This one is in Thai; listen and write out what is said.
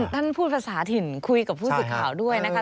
พูดภาษาถิ่นคุยกับผู้สื่อข่าวด้วยนะคะ